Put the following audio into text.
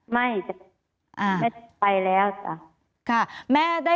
ไม่ค่ะไม่ได้ไปแล้วค่ะ